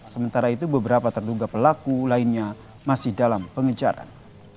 sementara itu beberapa terduga pelaku lainnya masih dalam pengejaran